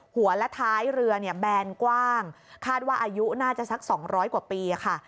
หัวและท้ายเรือเนี่ยแบนกว้างคาดว่าอายุน่าจะสัก๒๐๐กว่าปีค่ะ